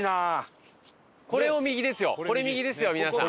これ右ですよ皆さん。